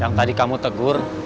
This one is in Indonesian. yang tadi kamu tegur